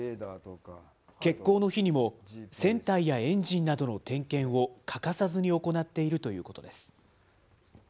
欠航の日にも、船体やエンジンなどの点検を欠かさずに行っているということです。